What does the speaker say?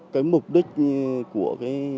cái mục đích của